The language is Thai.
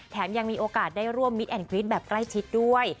ยังมีโอกาสได้ร่วมมิดแอนดกรี๊ดแบบใกล้ชิดด้วย